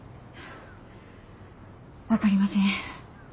分かりません。